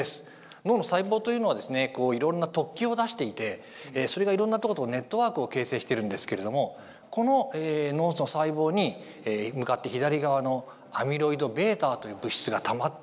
脳の細胞というのはですねこういろんな突起を出していてそれがいろんなとことネットワークを形成してるんですけれどもこの脳の細胞に向かって左側のアミロイドβという物質がたまっていく。